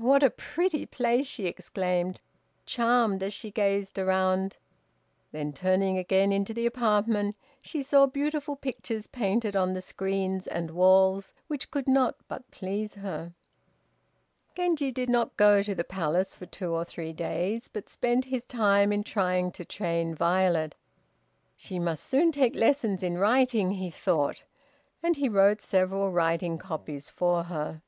what a pretty place," she exclaimed, charmed as she gazed around. Then, turning again into the apartment, she saw beautiful pictures painted on the screens and walls, which could not but please her. Genji did not go to the Palace for two or three days, but spent his time in trying to train Violet. "She must soon take lessons in writing," he thought, and he wrote several writing copies for her.